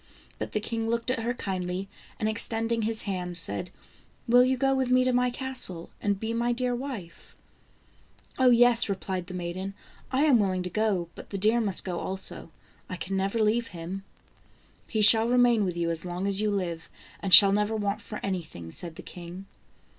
But the king looked at her kindly, and extending his hand, said: "Will you go with me to my castle and be my dear wife?" "Oh, yes!" replied the maiden, " I am willing to go, but the deer must go also; I can never leave him." " He shall remain with you as long as you live, and shall never want for anything," said the king.